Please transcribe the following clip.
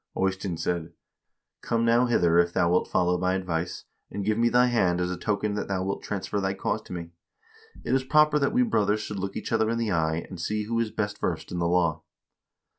Eystein said :' Come now hither, if thou wilt follow my advice, and give me thy hand as a token that thou wilt transfer thy cause to me. It is proper that we brothers should look each other in the eye, and see who is best versed in the law.'